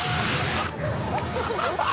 どうした？